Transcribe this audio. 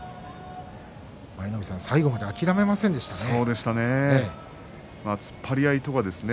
舞の海さん、最後まで諦めませんでしたね。